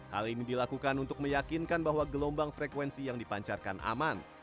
hal ini dilakukan untuk meyakinkan bahwa gelombang frekuensi yang dipancarkan aman